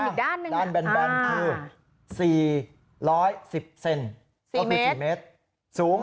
อีกด้านหนึ่งด้านแบนแบนคือสี่ร้อยสิบเซนสี่เมตรสูง